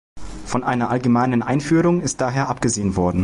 Von einer allgemeinen Einführung ist daher abgesehen worden.